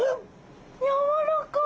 やわらかい。